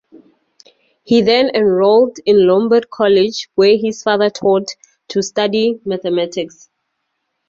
He then enrolled in Lombard College where his father taught, to study mathematics.